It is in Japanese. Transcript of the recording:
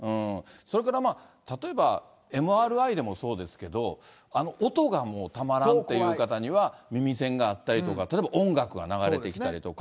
それから、例えばＭＲＩでもそうですけど、音がもう、たまらんっていう方には、耳栓があったりとか、例えば音楽が流れてきたりとか。